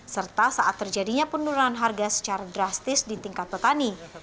serta saat terjadinya penurunan harga secara drastis di tingkat petani